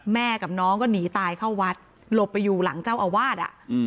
แม่กับน้องก็หนีตายเข้าวัดหลบไปอยู่หลังเจ้าอาวาส